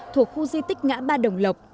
thuộc khu di tích ngã ba đồng lộc